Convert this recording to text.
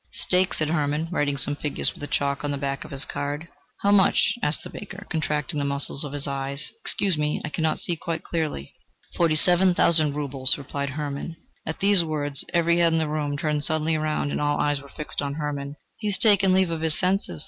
"Stake!" said Hermann, writing some figures with chalk on the back of his card. "How much?" asked the banker, contracting the muscles of his eyes; "excuse me, I cannot see quite clearly." "Forty seven thousand rubles," replied Hermann. At these words every head in the room turned suddenly round, and all eyes were fixed upon Hermann. "He has taken leave of his senses!"